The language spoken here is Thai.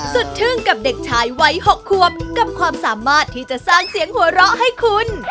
ทึ่งกับเด็กชายวัย๖ควบกับความสามารถที่จะสร้างเสียงหัวเราะให้คุณ